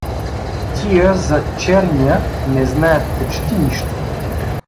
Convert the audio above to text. Тия за Черня не знаят почти нищо.